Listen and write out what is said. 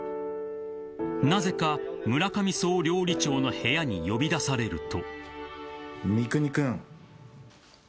［なぜか村上総料理長の部屋に呼び出されると］